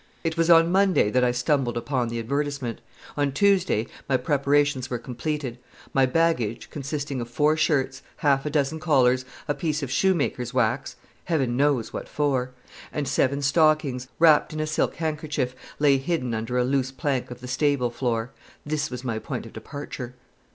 It was on Monday that I stumbled upon the advertisement. On Tuesday my preparations were completed. My baggage consisting of four shirts, half a dozen collars, a piece of shoemaker's wax, (Heaven knows what for!) and seven stockings, wrapped in a silk handkerchief lay hidden under a loose plank of the stable floor. This was my point of departure.